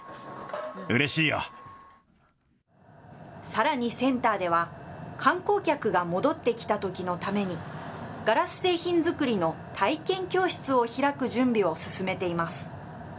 さらにセンターでは、観光客が戻ってきたときのために、ガラス製品作りの体験教室を開く準備を進めています。